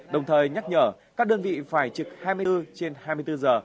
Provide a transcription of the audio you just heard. đồng thời nhắc nhở các đơn vị phải trực hai mươi bốn trên hai mươi bốn giờ